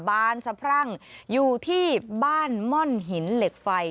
บานสะพรั่งอยู่ที่บ้านม่อนหินเหล็กไฟ